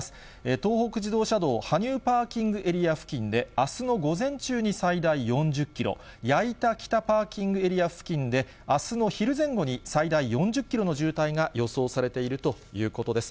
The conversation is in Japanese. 東北自動車道羽生パーキングエリア付近で、あすの午前中に最大４０キロ、矢板北パーキングエリア付近であすの昼前後に最大４０キロの渋滞が予想されているということです。